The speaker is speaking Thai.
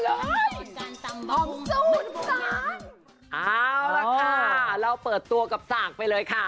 เอาล่ะค่ะเราเปิดตัวกับสากไปเลยค่ะ